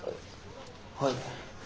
はい。